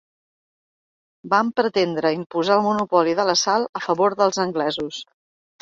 Van pretendre imposar el monopoli de la sal a favor dels anglesos.